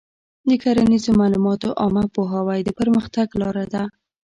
د کرنیزو معلوماتو عامه پوهاوی د پرمختګ لاره ده.